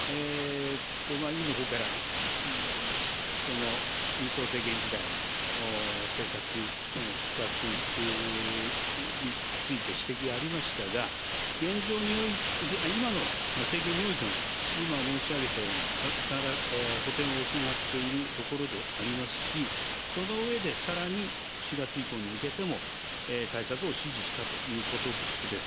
委員のほうから民主党政権時代の政策との比較について指摘がありましたが、今の政権においても、今申し上げたような、補填を行っているところでありますし、その上で、さらに４月以降に向けての対策を指示したということです。